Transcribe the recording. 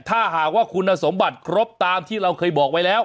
ถ้าหากว่าคุณสมบัติครบตามที่เราเคยบอกไว้แล้ว